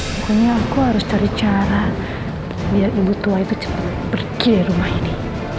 pokoknya aku harus cari cara biar ibu tua itu cepat pergi rumah ini